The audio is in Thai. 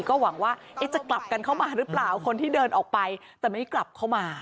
ก็หวังว่าจะกลับกันเข้ามาหรือเปล่าคนที่เดินออกไปแต่ไม่กลับเข้ามา